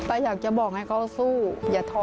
ก็อยากจะบอกให้เขาสู้อย่าท้อ